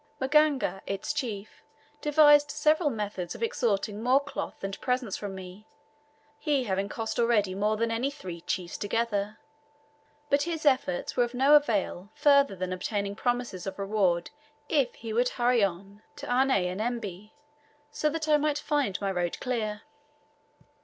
Maganga, its chief, devised several methods of extorting more cloth and presents from me, he having cost already more than any three chiefs together; but his efforts were of no avail further than obtaining promises of reward if he would hurry on to Unyanyembe so that I might find my road clear.